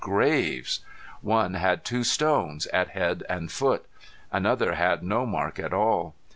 Graves! One had two stones at head and foot. Another had no mark at all.